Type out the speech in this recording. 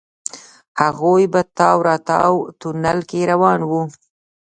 هغوئ په تاو راتاو تونل کې روان وو.